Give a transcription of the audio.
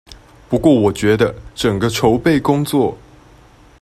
不過我覺得，整個籌備工作